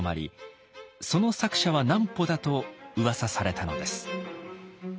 その作者は南畝だとうわさされたのです。